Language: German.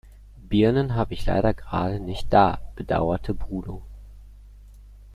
Birnen habe ich leider gerade nicht da, bedauerte Bruno.